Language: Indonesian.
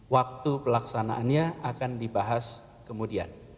waktu pelaksanaannya akan dibahas kemudian